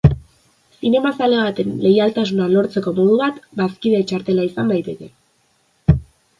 Zinemazale baten leialtasuna lortzeko modu bat bazkide txartela izan daiteke.